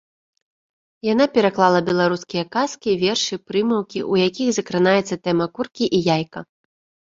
Яна пераклала беларускія казкі, вершы, прымаўкі, у якіх закранаецца тэма куркі і яйка.